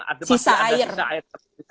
ada sisa air